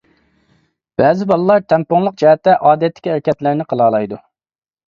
بەزى بالىلار تەڭپۇڭلۇق جەھەتتە ئادەتتىكى ھەرىكەتلەرنى قىلالايدۇ.